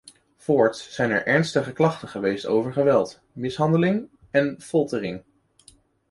Voorts zijn er ernstige klachten geweest over geweld, mishandeling en foltering.